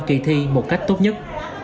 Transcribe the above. kỳ thi một cách tốt nhất